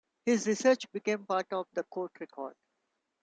His research became part of the court record.